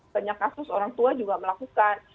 banyak kasus orang tua juga melakukan